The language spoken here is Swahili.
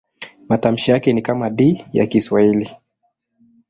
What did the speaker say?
Matamshi yake ni kama D ya Kiswahili.